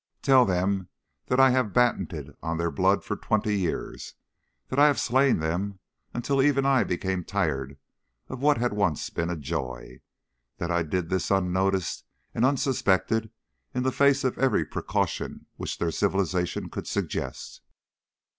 Tell them that I have battened on their blood for twenty years, that I have slain them until even I became tired of what had once been a joy, that I did this unnoticed and unsuspected in the face of every precaution which their civilisation could suggest.